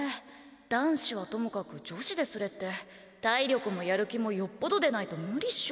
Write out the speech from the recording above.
男子はともかく女子でそれって体力もやる気もよっぽどでないと無理っしょ。